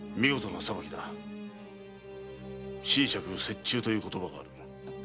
「斟酌折衷」という言葉がある。